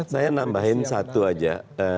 saya nambahin satu aja